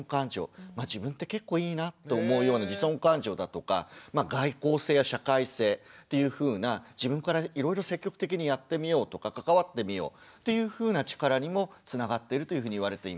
自分って結構いいなって思うような自尊感情だとか外向性や社会性っていうふうな自分からいろいろ積極的にやってみようとか関わってみようというふうな力にもつながってるというふうにいわれています。